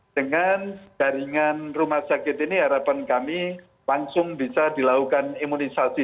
dengan jaringan rumah sakit ini harapan kami langsung bisa dilakukan imunisasi